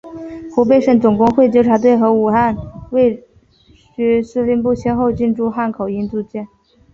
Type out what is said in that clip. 湖北省总工会纠察队和武汉卫戍司令部先后进驻汉口英租界。